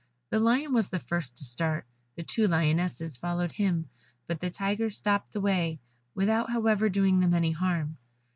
The Lion was the first to start, the two Lionesses followed him, but the Tigers stopped the way, without, however, doing them any harm.